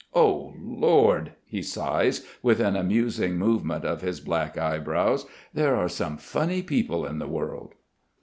"O Lord," he sighs with an amusing movement of his black eyebrows, "there are some funny people in the world."